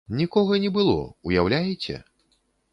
Нікога не было, уяўляеце!